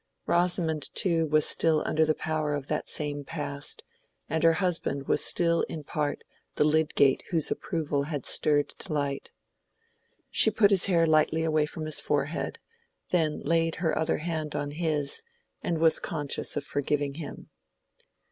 Rosamond too was still under the power of that same past, and her husband was still in part the Lydgate whose approval had stirred delight. She put his hair lightly away from his forehead, then laid her other hand on his, and was conscious of forgiving him.